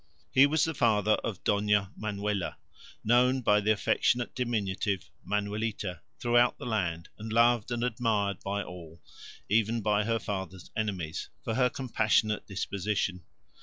He was the father of Dona Manuela, known by the affectionate diminutive, Manuelita, throughout the land, and loved and admired by all, even by her father's enemies, for her compassionate disposition.